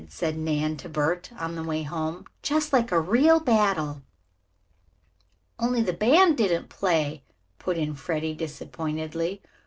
said Nan to Bert, on the way home. "Just like a real battle." "Only the band didn't play," put in Freddie disappointedly.